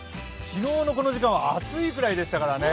昨日のこの時間は暑いぐらいでしたからね。